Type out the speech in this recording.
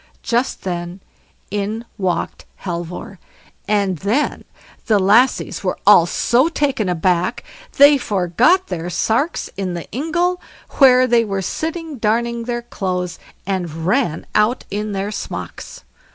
Just then in walked Halvor, and then the lassies were all so taken aback, they forgot their sarks in the ingle, where they were sitting darning their clothes, and ran out in their smocks.